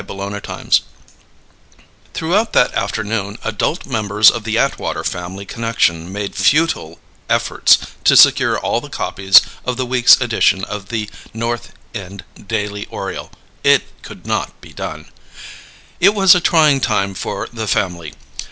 CHAPTER TWENTY Throughout that afternoon adult members of the Atwater family connection made futile efforts to secure all the copies of the week's edition of The North End Daily Oriole. It could not be done. It was a trying time for "the family."